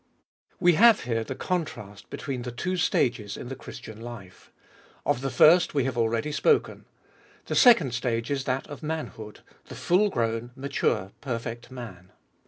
WE have here the contrast between the two stages in the Chris tian life. Of the first we have already spoken. The second stage is that of manhood — the full grown, mature, perfect man.